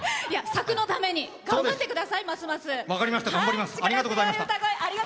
佐久のために頑張ってください、ますます。